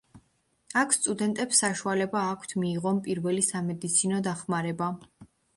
აქ სტუდენტებს საშუალება აქვთ მიიღონ პირველი სამედიცინო დახმარება.